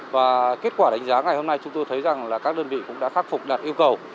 và kết quả đánh giá ngày hôm nay chúng tôi thấy rằng là các đơn vị cũng đã khắc phục đạt yêu cầu